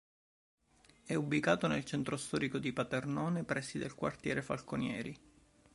È ubicato nel centro storico di Paternò, nei pressi del quartiere Falconieri.